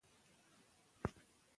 تعصب د جهالت نښه ده..